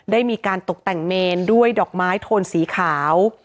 ได้มีการตกแต่งเมนด้วยดอกไม้โทนสีขาว